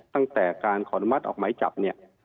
ตั้งแต่การขออนุมัติออกหมายจับเนี่ย